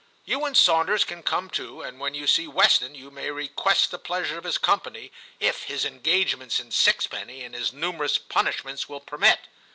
You and Sawnders can come too, and when you see Weston, you may request the pleasure of his company, if his engagements in Sixpenny and his numerous punishments will permit.'